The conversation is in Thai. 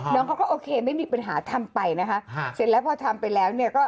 น้องเขาก็โอเคไม่มีปัญหาทำไปนะคะเสร็จแล้วพอทำไปแล้วเนี่ยก็